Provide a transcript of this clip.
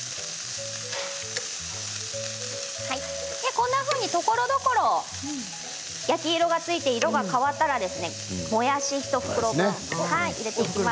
こんなふうに、ところどころ焼き色がついて色が変わったらもやし１袋、入れていきます。